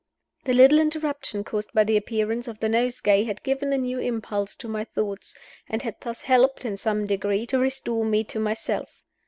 The little interruption caused by the appearance of the nosegay had given a new impulse to my thoughts, and had thus helped, in some degree, to restore me to myself.